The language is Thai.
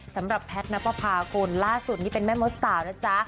สำหรับแพทย์นับประพาคุณล่าสุดนี่เป็นแม่มดสาวนะจ๊ะ